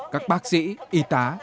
các bác sĩ y tá